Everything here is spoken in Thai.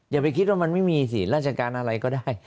อย่าไปคิดว่ามันไม่มีสิราชการอะไรก็ได้